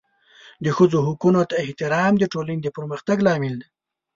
د ښځو حقونو ته احترام د ټولنې د پرمختګ لامل دی.